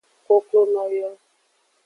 Koklono yo.